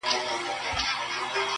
خپه په دې یم چي زه مرم ته به خوشحاله یې